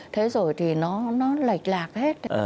thế rồi thì nó lệch lạc hết